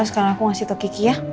sekarang aku ngasih tokiki ya